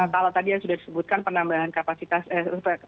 kalau tadi yang sudah disebutkan penambahan kapasitas